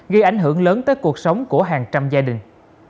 gây ảnh hưởng lớn tới cuộc sống của hàng trăm gia đình